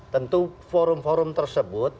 tentu forum forum tersebut